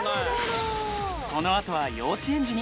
このあとは幼稚園児に。